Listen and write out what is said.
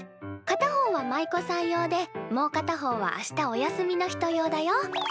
片方は舞妓さん用でもう片方はあしたお休みの人用だよ。